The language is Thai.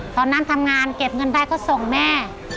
ตอนนั้นทำงานเก็บเงินได้ก็ส่งแม่